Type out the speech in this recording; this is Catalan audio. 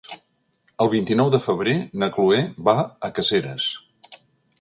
El vint-i-nou de febrer na Cloè va a Caseres.